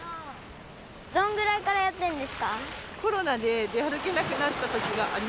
どんくらいからやってんですか？